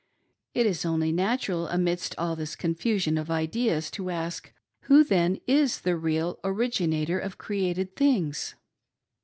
It is only natural, amidst all this confusion of ideas, to ask. Who then is the real Originator of created things